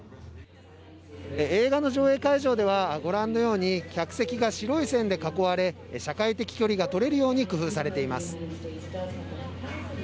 映画の上映会場では、ご覧のように、客席が白い線で囲われ、社会的距離が取れるように工夫されています。